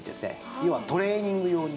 要はトレーニング用に。